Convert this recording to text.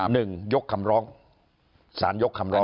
หนึ่งยกคำร้องสารยกคำร้อง